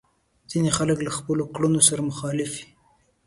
ځينې خلک له خپلو کړنو سره مخالف وي.